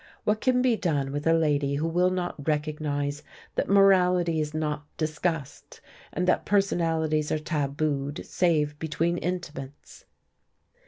What can be done with a lady who will not recognize that morality is not discussed, and that personalities are tabooed save between intimates.